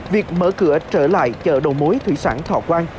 việc mở cửa trở lại chợ đầu mối thủy sản thọ quang